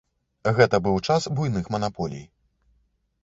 Гэта быў час буйных манаполій.